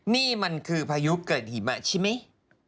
นี่มันคือพายุเกิดหิมะใช่ไหม